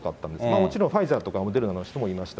もちろん、ファイザーとかモデルナの人もいました。